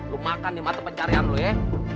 lo makan nih mata pencarian lo ya